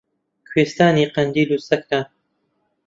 کوێستانی قەندیل و سەکران